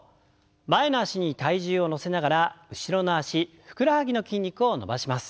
前の脚に体重を乗せながら後ろの脚ふくらはぎの筋肉を伸ばします。